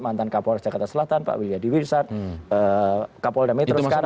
mantan kapolres jakarta selatan pak wiljady wirsad kapol demetro sekarang